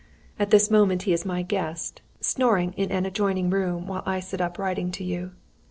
At this moment he is my guest, snoring in an adjoining room while I sit up writing to you.